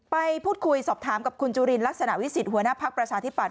ไปพูดคุยสอบถามกับคุณจุลินลักษณะวิสิทธิหัวหน้าภักดิ์ประชาธิปัต